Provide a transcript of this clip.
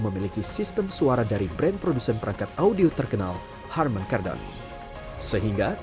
memiliki sistem suara dari brand produsen perangkat audio terkenal harmon cardani sehingga